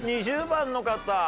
２０番の方。